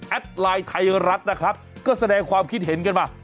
ไลน์ไทยรัฐนะครับก็แสดงความคิดเห็นกันมา